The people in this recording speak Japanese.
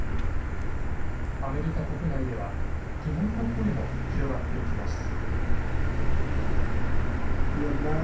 アメリカ国内では、疑問の声も広がっていきました。